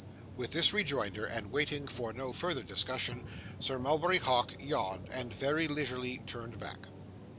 With this rejoinder, and waiting for no further discussion, Sir Mulberry Hawk yawned, and very leisurely turned back.